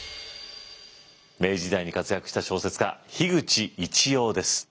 明治時代に活躍した小説家口一葉です。